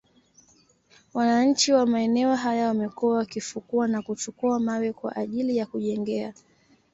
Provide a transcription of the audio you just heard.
Wananchi wa maeneo haya wamekuwa wakifukua na kuchukua mawe kwa ajili ya kujengea